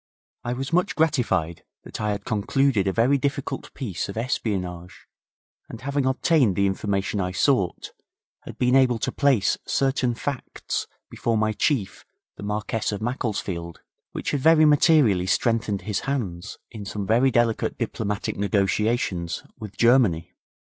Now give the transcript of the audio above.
I was much gratified that I had concluded a very difficult piece of espionage, and having obtained the information I sought, had been able to place certain facts before my Chief, the Marquess of Macclesfield, which had very materially strengthened his hands in some very delicate diplomatic negotiations with Germany.